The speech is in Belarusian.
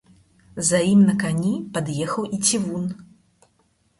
За ім на кані пад'ехаў і цівун.